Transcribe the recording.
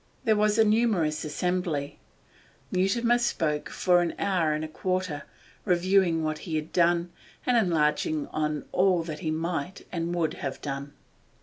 There was a numerous assembly. Mutimer spoke for an hour and a quarter, reviewing what he had done, and enlarging on all that he might and would have done.